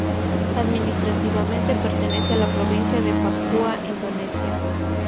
Administrativamente pertenece a la provincia de Papúa, Indonesia.